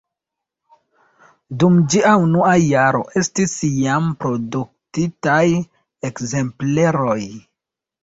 Dum ĝia unua jaro estis jam produktitaj ekzempleroj.